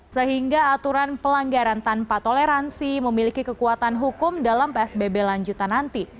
sehingga aturan pelanggaran tanpa toleransi memiliki kekuatan hukum dalam psbb lanjutan nanti